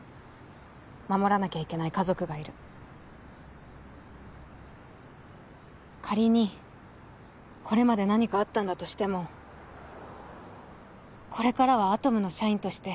守らなきゃいけない家族がいる仮にこれまで何かあったんだとしてもこれからはアトムの社員として